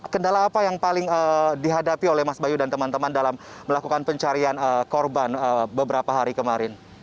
kendala apa yang paling dihadapi oleh mas bayu dan teman teman dalam melakukan pencarian korban beberapa hari kemarin